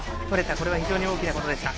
これは非常に大きなことでした。